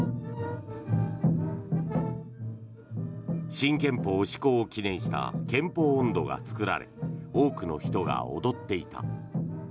新憲法施行を記念した「憲法音頭」が作られ多くの人が踊っていた。